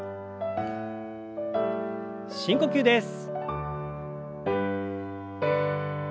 深呼吸です。